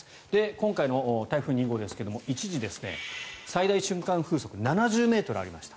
今回の台風２号ですが一時、最大瞬間風速７０ｍありました。